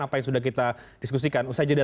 apa yang sudah kita diskusikan usai jeda